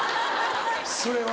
それは。